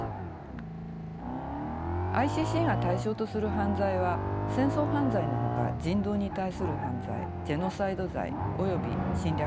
ＩＣＣが対象とする犯罪は戦争犯罪のほか人道に対する犯罪ジェノサイド罪および侵略犯罪です。